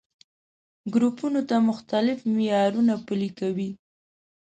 ګروپونو ته مختلف معيارونه پلي کوي.